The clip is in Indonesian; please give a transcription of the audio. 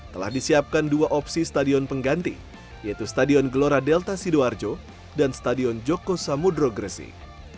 telah disiapkan dua opsi stadion pengganti yaitu stadion gelora delta sidoarjo dan stadion joko samudro gresik